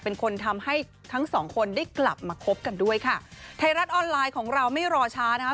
เป็นคนทำให้ทั้งสองคนได้กลับมาคบกันด้วยค่ะไทยรัฐออนไลน์ของเราไม่รอช้านะคะ